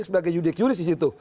dia sebagai yudik yudis di situ